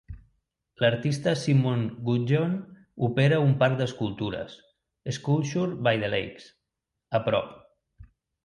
L'artista Simon Gudgeon opera un parc d'escultures, "Sculpture by the Lakes", a prop.